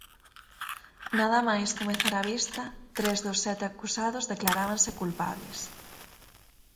Nada máis comezar a vista, tres dos sete acusados declarábanse culpables.